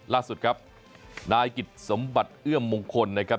ล่าสุดครับนายกิจสมบัติเอื้อมมงคลนะครับ